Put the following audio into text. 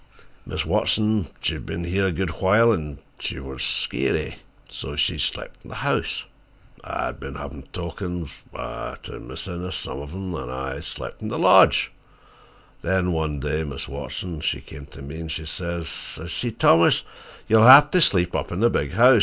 Mis' Watson, she've bin here a good while, an' she warn' skeery. So she slep' in the house. I'd bin havin' tokens—I tol' Mis' Innes some of 'em—an' I slep' in the lodge. Then one day Mis' Watson, she came to me an' she sez, sez she, 'Thomas, you'll hev to sleep up in the big house.